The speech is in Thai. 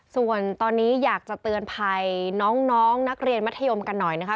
ส่วนตอนนี้อยากจะเตือนภัยน้องนักเรียนมัธยมกันหน่อยนะคะ